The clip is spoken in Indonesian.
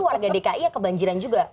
warga dki ya kebanjiran juga